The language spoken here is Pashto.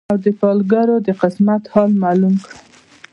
او له پالګرو د قسمت حال معلوم کړم